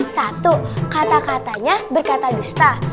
satu kata katanya berkata dusta